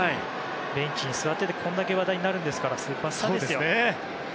ベンチに座っててこれだけ話題になるんですからスーパースターですよ。